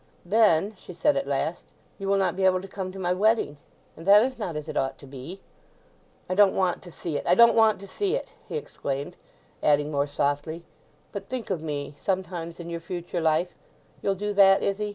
"Then," she said at last, "you will not be able to come to my wedding; and that is not as it ought to be." "I don't want to see it—I don't want to see it!" he exclaimed; adding more softly, "but think of me sometimes in your future life—you'll do that, Izzy?